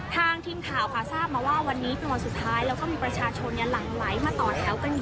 ทางทีมข่าวค่ะทราบมาว่าวันนี้เป็นวันสุดท้าย